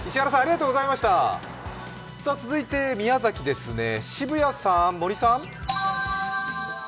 続いて宮崎ですね、澁谷さん、盛さん。